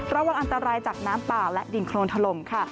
ระวังอันตรายจากน้ำป่าและดินโครนถล่มค่ะ